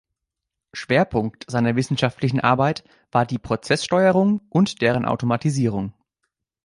Schwerpunkt seiner wissenschaftlichen Arbeit war die Prozesssteuerung und deren Automatisierung.